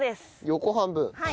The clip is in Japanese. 横半分。